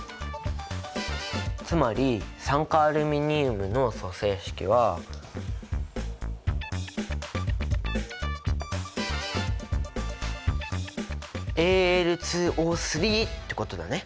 つまり酸化アルミニウムの組成式は。ってことだね。